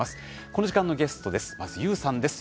この時間のゲストです。